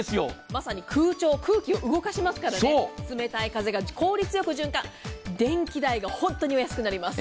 まさに空調、空気を動かしますからね、冷たい風が効率よく循環、電気代が本当にお安くなります。